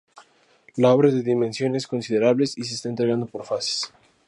La obra es de dimensiones considerables y se está entregando por fases.